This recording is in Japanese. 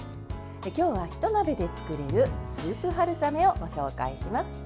今日は、ひと鍋で作れるスープ春雨をご紹介します。